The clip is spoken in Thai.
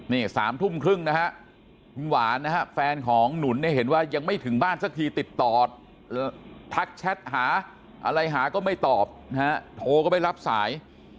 นี่๓ทุ่มครึ่งนะฮะคุณหวานนะฮะแฟนของหนุนเนี่ยเห็นว่ายังไม่ถึงบ้านสักทีติดต่อทักแชทหาอะไรหาก็ไม่ตอบนะฮะโทรก็ไม่รับสาย